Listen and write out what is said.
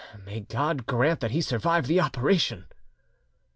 May God grant that he survive the operation!"